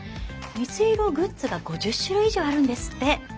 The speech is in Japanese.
水色グッズが５０種類以上あるんですって。